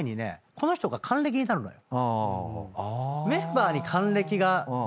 この人が還暦になるのよ。